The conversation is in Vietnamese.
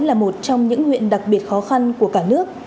là một trong những huyện đặc biệt khó khăn của cả nước